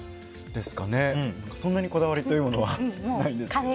そんなにこだわりというのはないですけど。